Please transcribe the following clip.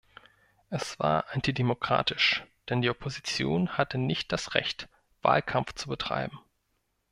Es war antidemokratisch, denn die Opposition hatte nicht das Recht, Wahlkampf zu betreiben.